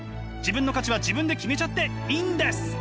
自分の価値は自分で決めちゃっていいんです！